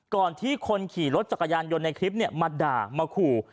ก่อนที่คนขี่รถจักรยานยนต์ในคลิปมาด่ามาขู่